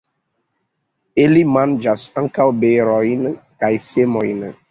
Ili manĝas ankaŭ berojn kaj semojn.